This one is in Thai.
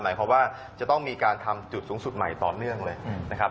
หมายความว่าจะต้องมีการทำจุดสูงสุดใหม่ต่อเนื่องเลยนะครับ